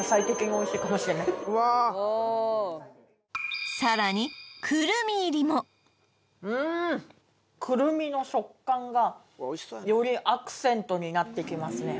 おおさらにくるみ入りもうんくるみの食感がよりアクセントになってきますね